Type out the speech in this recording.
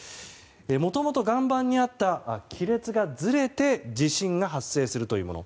もともと岩盤にあった亀裂がずれて地震が発生するというもの。